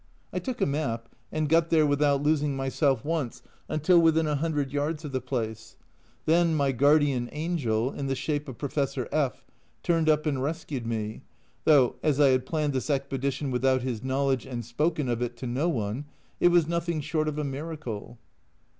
I took a map and got there without losing myself once until within a hundred yards of the place ; then my guardian angel (in the shape of Professor F ) turned up and rescued me, though as I had planned this expedition without his knowledge, and spoken of it to no one, it was nothing short of a miracle.